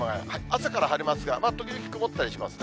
朝から晴れますが、時々曇ったりしますね。